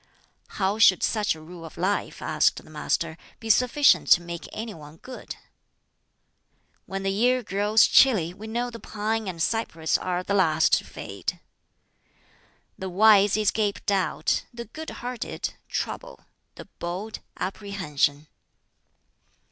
"How should such a rule of life," asked the Master, "be sufficient to make any one good?" "When the year grows chilly, we know the pine and cypress are the last to fade. "The wise escape doubt; the good hearted, trouble; the bold, apprehension.